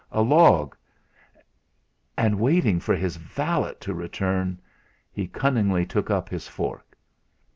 A log! And, waiting for his valet to return, he cunningly took up his fork.